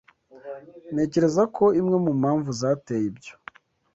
Ntekereza ko imwe mu mpamvu zateye ibyo